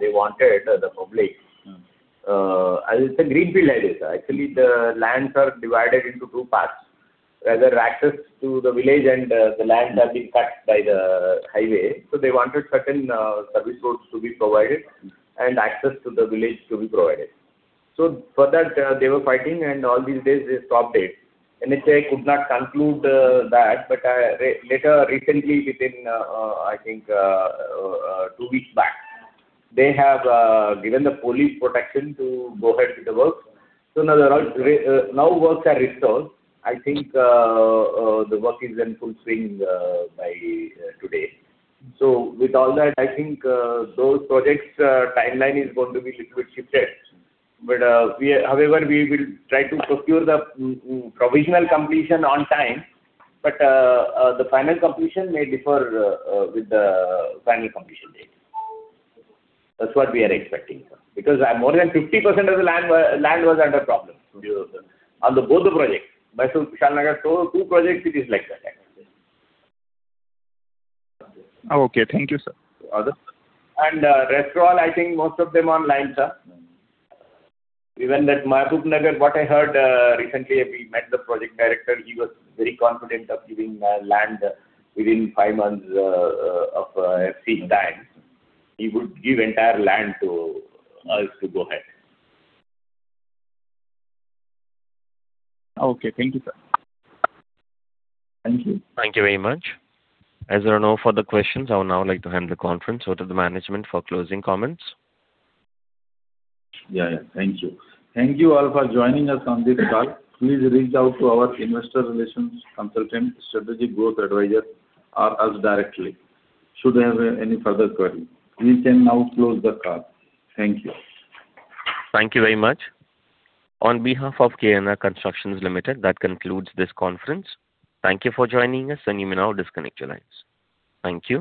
they wanted, the public. It's a greenfield area, sir. Actually, the lands are divided into two parts. Where there are access to the village and the land has been cut by the highway. They wanted certain service roads to be provided and access to the village to be provided. For that, they were fighting, and all these days they stopped it, and they say could not conclude that. Later, recently, within I think two weeks back, they have given the police protection to go ahead with the work. Now works are restored. I think the work is in full swing by today. With all that, I think those projects' timeline is going to be little bit shifted. We will try to procure the provisional completion on time, but the final completion may differ with the final completion date. That's what we are expecting. More than 50% of the land was under problem on the both the projects. Magadi, Kushalnagar, two projects it is like that actually. Okay. Thank you, sir. Rest of all, I think most of them are on line, sir. Even that Magadi Nagar, what I heard recently, we met the project director, he was very confident of giving land within five months of FC time. He would give entire land to us to go ahead. Okay. Thank you, sir. Thank you. Thank you very much. As there are no further questions, I would now like to hand the conference over to the management for closing comments. Thank you. Thank you all for joining us on this call. Please reach out to our investor relations consultant, Strategic Growth Advisors, or us directly should you have any further query. We can now close the call. Thank you. Thank you very much. On behalf of KNR Constructions Limited, that concludes this conference. Thank you for joining us. You may now disconnect your lines. Thank you